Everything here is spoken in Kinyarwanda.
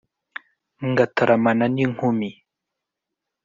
ngataramana n'inkumi